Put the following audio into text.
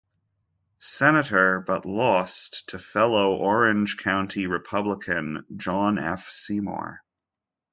Senator, but lost to fellow Orange County Republican John F. Seymour.